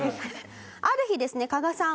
ある日ですね加賀さん